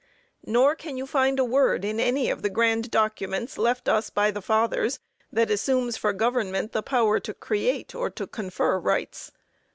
Nor can you find a word in any of the grand documents left us by the fathers that assumes for government the power to create or to confer rights.